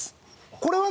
これはね